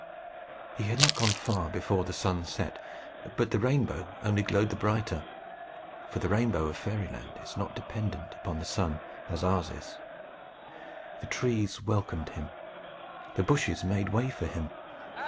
He had not gone far before the sun set. But the rainbow only glowed the brighter: for the rainbow of Fairyland is not dependent upon the sun as ours is. The trees welcomed him. The bushes made way for him.